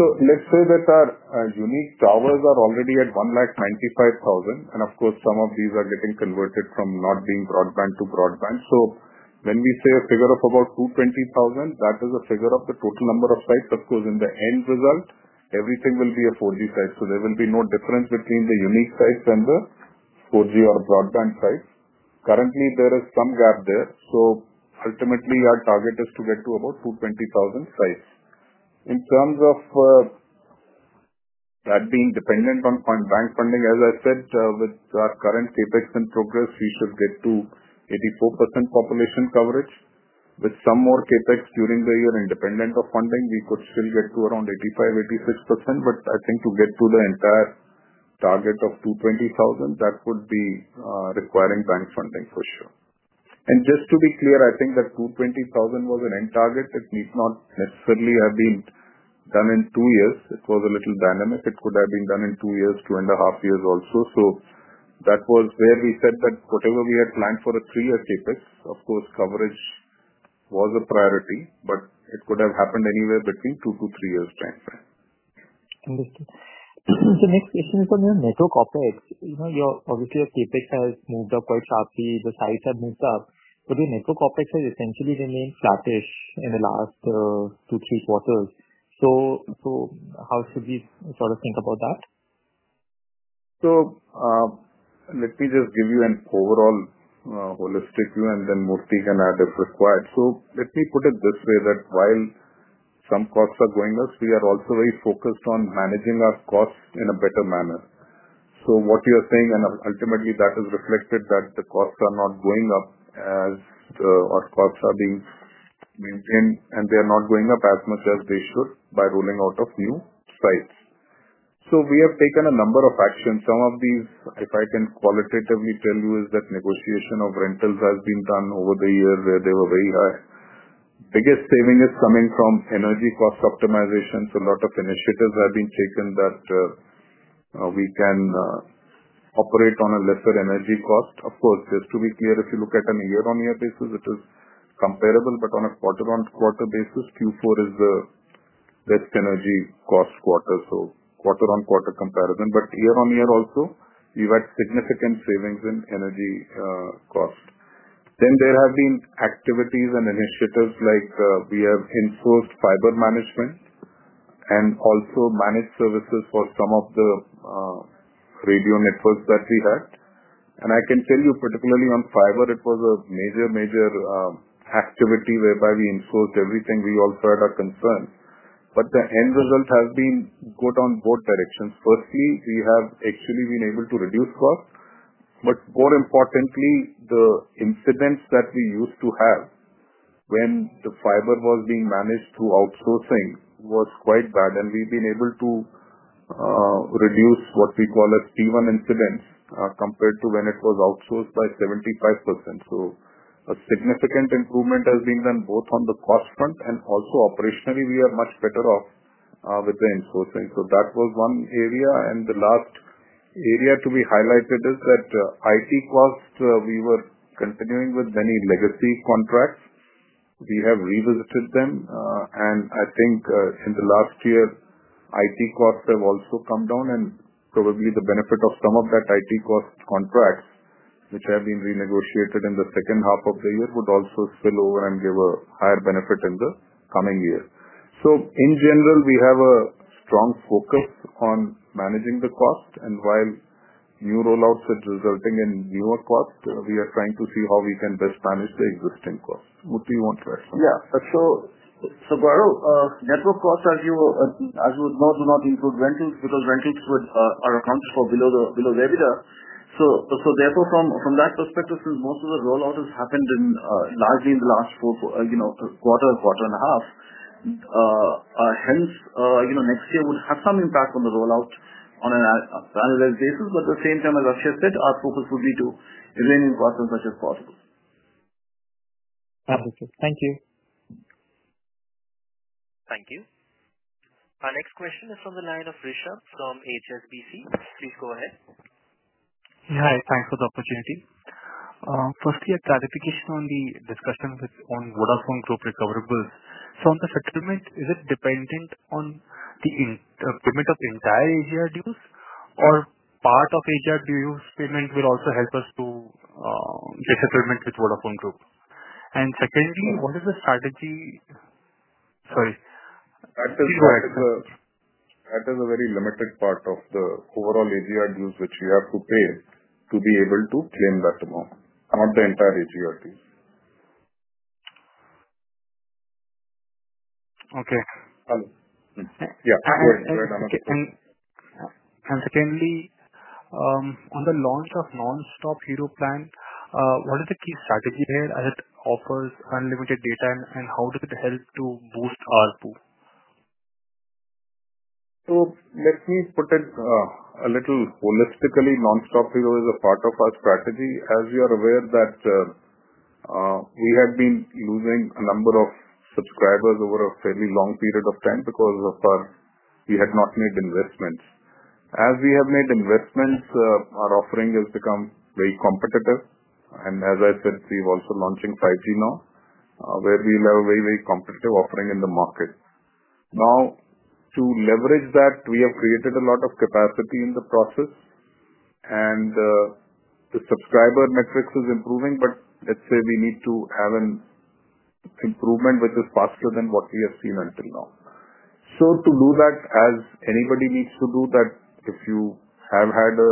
Let's say that our unique towers are already at 195,000, and of course, some of these are getting converted from not being broadband to broadband. When we say a figure of about 220,000, that is a figure of the total number of sites. Of course, in the end result, everything will be a 4G site. There will be no difference between the unique sites and the 4G or broadband sites. Currently, there is some gap there. Ultimately, our target is to get to about 220,000 sites. In terms of that being dependent on bank funding, as I said, with our current CapEx in progress, we should get to 84% population coverage. With some more CapEx during the year independent of funding, we could still get to around 85-86%. I think to get to the entire target of 220,000, that would be requiring bank funding for sure. Just to be clear, I think that 220,000 was an end target. It need not necessarily have been done in two years. It was a little dynamic. It could have been done in two years, two and a half years also. That was where we said that whatever we had planned for a three-year CapEx, of course, coverage was a priority, but it could have happened anywhere between two to three years' timeframe. Understood. The next question is on your network OpEx. Obviously, your CapEx has moved up quite sharply. The sites have moved up. Your network OpEx has essentially remained flattish in the last two, three quarters. How should we sort of think about that? Let me just give you an overall holistic view, and then Murthy can add if required. Let me put it this way that while some costs are going up, we are also very focused on managing our costs in a better manner. What you are saying, and ultimately, that is reflected that the costs are not going up as our costs are being maintained, and they are not going up as much as they should by rolling out of new sites. We have taken a number of actions. Some of these, if I can qualitatively tell you, is that negotiation of rentals has been done over the year where they were very high. Biggest saving is coming from energy cost optimization. A lot of initiatives have been taken that we can operate on a lesser energy cost. Of course, just to be clear, if you look at a year-on-year basis, it is comparable, but on a quarter-on-quarter basis, Q4 is the best energy cost quarter. Quarter-on-quarter comparison. Year-on-year also, we've had significant savings in energy cost. There have been activities and initiatives like we have enforced fiber management and also managed services for some of the radio networks that we had. I can tell you, particularly on fiber, it was a major, major activity whereby we enforced everything. We also had our concerns. The end result has been good on both directions. Firstly, we have actually been able to reduce costs. More importantly, the incidents that we used to have when the fiber was being managed through outsourcing was quite bad. We have been able to reduce what we call as T1 incidents compared to when it was outsourced by 75%. A significant improvement has been done both on the cost front and also operationally. We are much better off with the enforcing. That was one area. The last area to be highlighted is that IT cost, we were continuing with many legacy contracts. We have revisited them. I think in the last year, IT costs have also come down. Probably the benefit of some of that IT cost contracts, which have been renegotiated in the second half of the year, would also spill over and give a higher benefit in the coming year. In general, we have a strong focus on managing the cost. While new rollouts are resulting in newer costs, we are trying to see how we can best manage the existing costs. Murthy, you want to add something? Yeah. Gaurav, network costs, as you know, do not include rentals because rentals are accounted for below the EBITDA. Therefore, from that perspective, since most of the rollout has happened largely in the last quarter, quarter and a half, next year would have some impact on the rollout on an annualized basis. At the same time, as Akshaya said, our focus would be to remain in costs as much as possible. Understood. Thank you. Thank you. Our next question is from the line of Rishabh from HSBC. Please go ahead. Yeah. Hi. Thanks for the opportunity. Firstly, a clarification on the discussion on Vodafone Group recoverables. On the settlement, is it dependent on the payment of entire AGR dues, or will part of AGR dues payment also help us to get settlement with Vodafone Group? Secondly, what is the strategy? Sorry. That is a very limited part of the overall AGR dues which we have to pay to be able to claim that amount, not the entire AGR dues. Okay. Yeah. Go ahead. Secondly, on the launch of Nonstop Hero Plan, what is the key strategy here as it offers unlimited data, and how does it help to boost our ARPU? Let me put it a little holistically. Nonstop Hero is a part of our strategy. As you are aware, we have been losing a number of subscribers over a fairly long period of time because we had not made investments. As we have made investments, our offering has become very competitive. As I said, we are also launching 5G now, where we will have a very, very competitive offering in the market. To leverage that, we have created a lot of capacity in the process. The subscriber metrics are improving, but let's say we need to have an improvement which is faster than what we have seen until now. To do that, as anybody needs to do that, if you have had a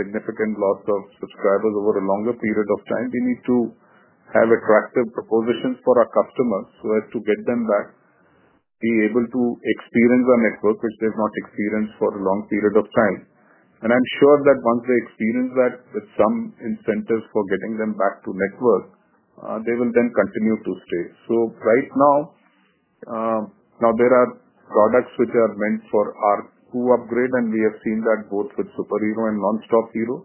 significant loss of subscribers over a longer period of time, we need to have attractive propositions for our customers so as to get them back, be able to experience our network, which they've not experienced for a long period of time. I'm sure that once they experience that with some incentives for getting them back to network, they will then continue to stay. Right now, there are products which are meant for ARPU upgrade, and we have seen that both with SuperHero and Nonstop Hero.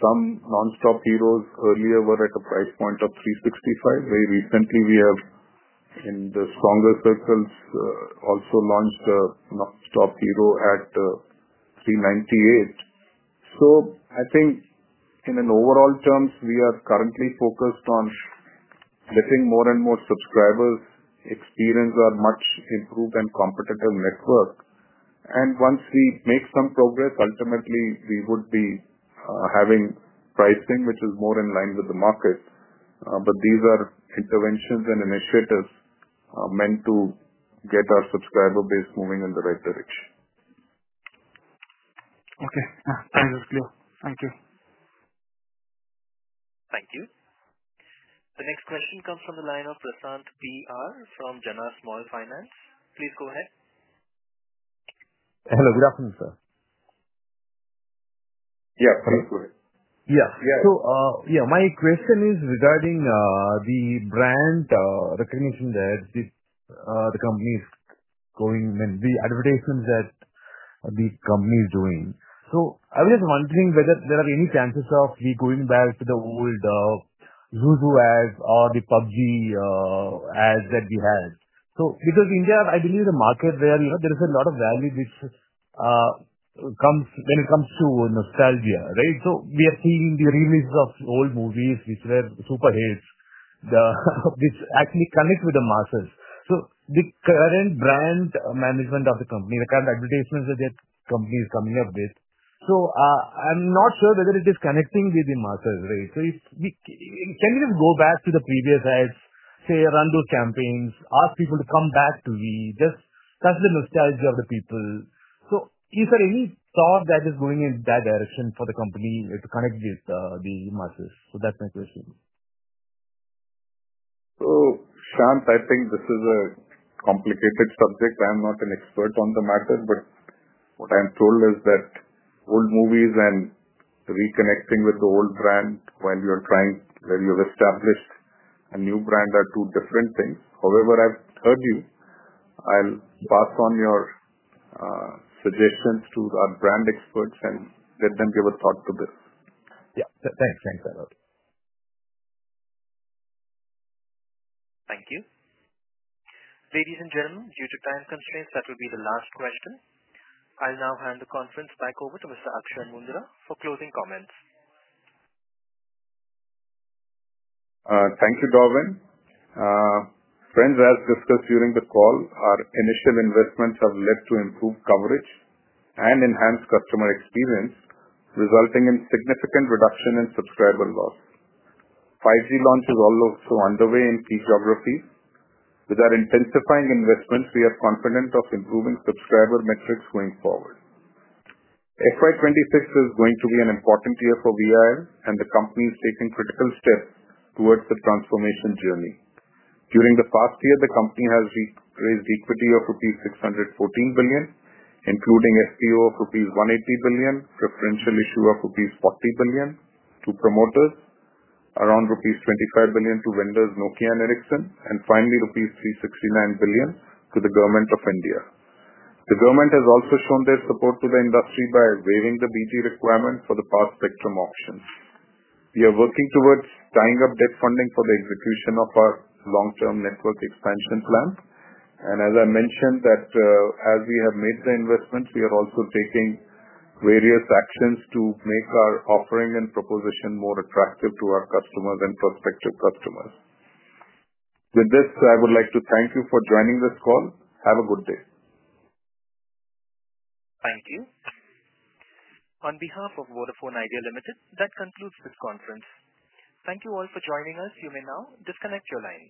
Some Nonstop Hero plans earlier were at a price point of 365. Very recently, we have, in the stronger circles, also launched a Nonstop Hero at 398. I think in overall terms, we are currently focused on getting more and more subscribers, experience our much improved and competitive network. Once we make some progress, ultimately, we would be having pricing which is more in line with the market. These are interventions and initiatives meant to get our subscriber base moving in the right direction. Okay. Yeah. Time is clear. Thank you. Thank you. The next question comes from the line of Prashant PR from Jana Small Finance Bank. Please go ahead. Hello. Good afternoon, sir. Yeah. Please go ahead. Yeah. My question is regarding the brand recognition that the company is going, the advertisements that the company is doing. I was just wondering whether there are any chances of we going back to the old Zuzu ads or the PUBG ads that we had. India, I believe, is a market where there is a lot of value which comes when it comes to nostalgia, right? We have seen the release of old movies which were super hits, which actually connect with the masses. The current brand management of the company, the kind of advertisements that the company is coming up with, I'm not sure whether it is connecting with the masses, right? Can you just go back to the previous ads, say, run those campaigns, ask people to come back to V, just touch the nostalgia of the people? Is there any thought that is going in that direction for the company to connect with the masses? That's my question. So Shams, I think this is a complicated subject. I'm not an expert on the matter, but what I'm told is that old movies and reconnecting with the old brand when you're trying, when you've established a new brand, are two different things. However, I've heard you. I'll pass on your suggestions to our brand experts and let them give a thought to this. Yeah. Thanks. Thanks a lot. Thank you. Ladies and gentlemen, due to time constraints, that will be the last question. I'll now hand the conference back over to Mr. Akshaya Moondra for closing comments. Thank you, Dovin. Friends, as discussed during the call, our initial investments have led to improved coverage and enhanced customer experience, resulting in significant reduction in subscriber loss. 5G launch is also underway in key geographies. With our intensifying investments, we are confident of improving subscriber metrics going forward. FY2026 is going to be an important year for Vi, and the company is taking critical steps towards the transformation journey. During the past year, the company has raised 614 billion rupees, including FPO of 180 billion rupees, preferential issue of 40 billion rupees to promoters, around 25 billion rupees to vendors Nokia and Ericsson, and finally 369 billion rupees to the Government of India. The government has also shown their support to the industry by waiving the BG requirement for the past spectrum auctions. We are working towards tying up debt funding for the execution of our long-term network expansion plan. As I mentioned, as we have made the investments, we are also taking various actions to make our offering and proposition more attractive to our customers and prospective customers. With this, I would like to thank you for joining this call. Have a good day. Thank you. On behalf of Vodafone Idea Limited, that concludes this conference. Thank you all for joining us. You may now disconnect your line.